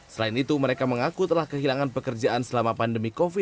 selain itu mereka mengaku telah kehilangan pekerjaan selama pandemi covid sembilan belas